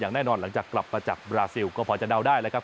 อย่างแน่นอนหลังจากกลับมาจับบราซิลก็พอจะนาวน์ได้แล้วครับ